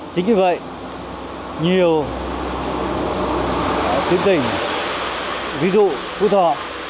chính vì vậy nhiều tuyến tỉnh ví dụ phú thọ